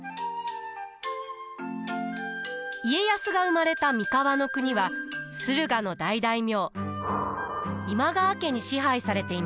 家康が生まれた三河国は駿河の大大名今川家に支配されていました。